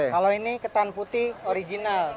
kalau ini ketan putih original